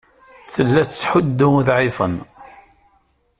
Tella tettḥuddu uḍɛifen.